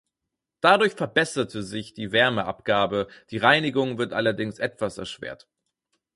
Dadurch verbesserte sich die Wärmeabgabe, die Reinigung wird allerdings etwas erschwert.